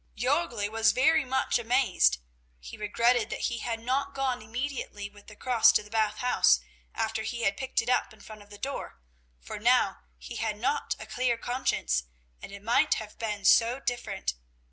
Jörgli was very much amazed. He regretted that he had not gone immediately with the cross to the Bath House, after he had picked it up in front of the door, for now he had not a clear conscience and it might have been so different!